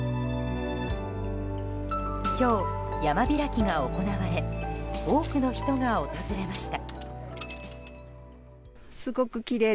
今日、山開きが行われ多くの人が訪れました。